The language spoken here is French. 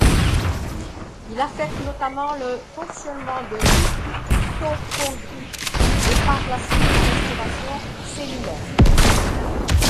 Il affecte notamment le fonctionnement des mitochondries et par suite la respiration cellulaire.